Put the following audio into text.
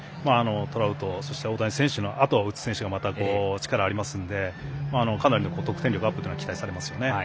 トラウト、そして大谷選手のあとを打つ選手が力がありますのでかなりの得点力アップが期待されますよね。